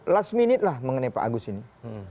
last minute lah mengenai pak agus ini